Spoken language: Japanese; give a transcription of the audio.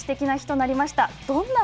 歴史的な日となりました。